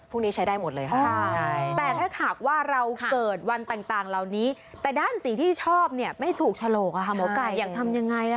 พวกนี้ใช้ได้หมดเลยค่ะแต่ถ้าหากว่าเราเกิดวันต่างเหล่านี้แต่ด้านสีที่ชอบเนี่ยไม่ถูกฉลกหมอไก่อยากทำยังไง